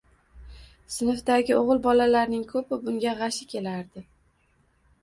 Sinfdagi o‘g‘il bolalarning ko‘pi bunga g‘ashi kelardi.